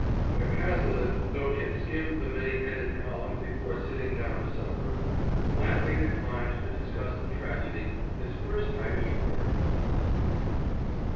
But Cazalet, though he had skimmed the many headed column before sitting down to supper, flatly declined to discuss the tragedy his first night ashore.